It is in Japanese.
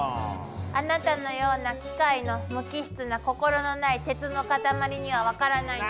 あなたのような機械の無機質な心のない鉄の塊には分からないのよ。